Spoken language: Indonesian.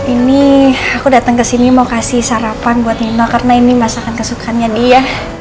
ini aku dateng kesini mau kasih sarapan buat nino karena ini masakan kesukannya dia